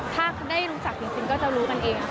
ถ้าได้รู้จักจริงก็จะรู้กันเองค่ะ